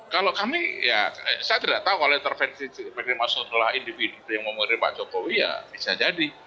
kalau kami ya saya tidak tahu kalau intervensi sebagaimaksud adalah individu yang memulai pak jokowi ya bisa jadi